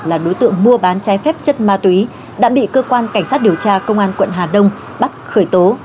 là đối tượng mua bán trái phép chất ma túy đã bị cơ quan cảnh sát điều tra công an quận hà đông bắt khởi tố